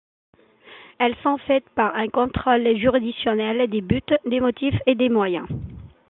Elles sont faites par un contrôle juridictionnel, des buts, des motifs et des moyens.